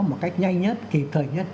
một cách nhanh nhất kịp thời nhất